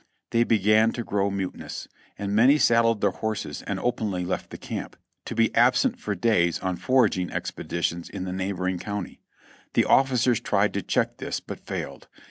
They began to grow mutinous, and many saddled their horses and openly left the camp, to be absent for days on foraging expeditions in the neighboring county. The officers tried to check this but failed.